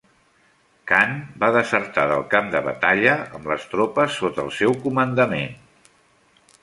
Khan va desertar del camp de batalla amb les tropes sota el seu comandament.